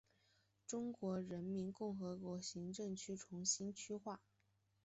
中华人民共和国行政区重新区划。